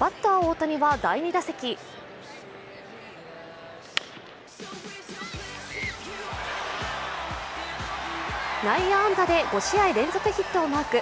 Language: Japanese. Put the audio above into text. バッター・大谷は第２打席内野安打で５試合連続ヒットをマーク。